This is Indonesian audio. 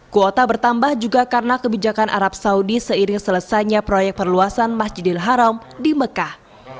kuota bertambah juga karena kebijakan arab saudi seiring selesainya proyek perluasan masjidil haram di mekah